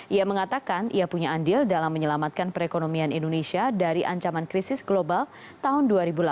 ia mengatakan ia punya andil dalam menyelamatkan perekonomian indonesia dari ancaman krisis global tahun dua ribu delapan belas